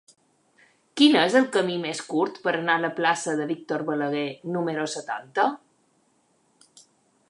Quin és el camí més curt per anar a la plaça de Víctor Balaguer número setanta?